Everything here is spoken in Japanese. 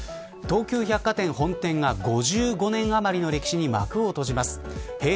東急百貨店本店が５５年余りの歴史に幕を閉じます。